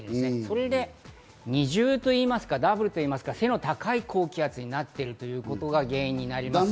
これで二重といいますか、ダブルといいますか、背の高い高気圧になっていることが原因になります。